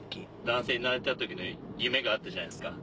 男性になれた時の夢があったじゃないですか。